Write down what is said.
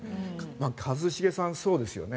一茂さん、そうですよね？